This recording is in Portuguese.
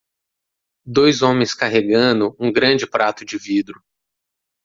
Dois homens carregando um grande prato de vidro.